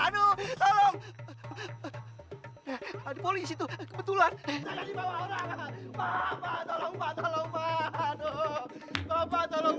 taksi itu mau bawa bawa barang